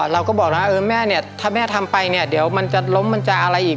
เราก็บอกแล้วแม่เนี่ยถ้าแม่ทำไปเนี่ยเดี๋ยวมันจะล้มมันจะอะไรอีก